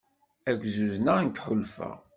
Ad k-zuzneɣ nekk ḥulfaɣ.